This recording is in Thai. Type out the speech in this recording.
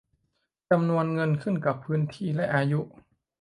จำนวนเงินขึ้นกับพื้นที่และอายุ